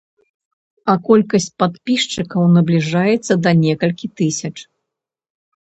А колькасць падпісчыкаў набліжаецца да некалькі тысяч.